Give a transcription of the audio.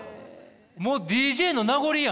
もうＤＪの名残やん！